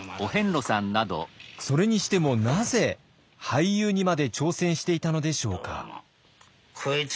それにしてもなぜ俳優にまで挑戦していたのでしょうか。